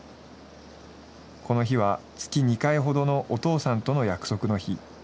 この日は、月２回ほどのお父さんとの約束の日。